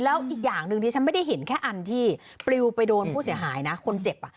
แล้วอีกอย่างหนึ่งที่ฉันไม่ได้เห็นแค่อันที่ปลิวไปโดนผู้เสียหายนะคนเจ็บ